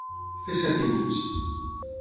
Fer set i mig.